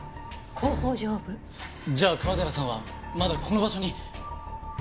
じゃあ川寺さんはまだこの場所に？